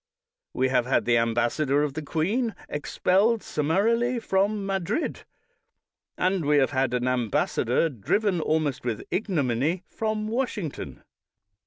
"We have had the am bassador of the Queen expelled summarily from Madrid, and we have had an ambassador driven almost with ignominy from "Washington.